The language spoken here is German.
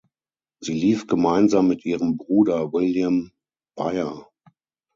Sie lief gemeinsam mit ihrem Bruder William Beier.